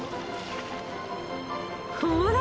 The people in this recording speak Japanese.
ほら！